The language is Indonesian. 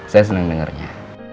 saya seneng dengernya